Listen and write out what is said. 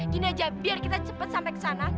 gini aja biar kita cepet sampe ke sana